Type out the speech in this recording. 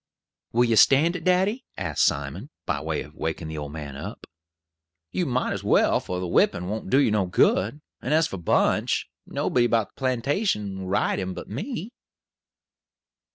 "Will you stand it, daddy?" asked Simon, by way of waking the old man up. "You mought as well, for the whippin' won't do you no good; and as for Bunch, nobody about the plantation won't ride him but me."